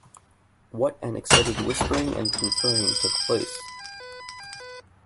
What an excited whispering and conferring took place.